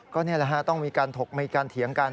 ก็นี่แหละฮะต้องมีการถกมีการเถียงกัน